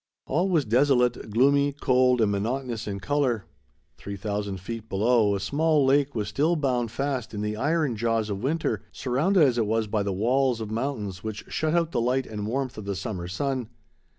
All was desolate, gloomy, cold, and monotonous in color. Three thousand feet below, a small lake was still bound fast in the iron jaws of winter, surrounded as it was by the walls of mountains which shut out the light and warmth of the summer sun.